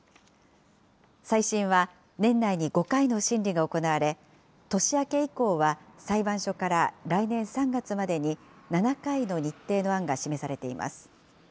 再審は、年内に５回の審理が行われ、年明け以降は裁判所から来年３月までに７回の日程の案が示されています。